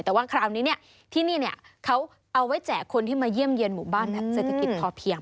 แต่ว่าคราวนี้เนี่ยที่นี่เขาเอาไว้แจกคนที่มาเยี่ยมเยี่ยนหมู่บ้านแบบเศรษฐกิจพอเพียง